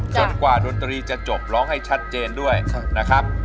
กว่าดนตรีจะจบร้องให้ชัดเจนด้วยนะครับ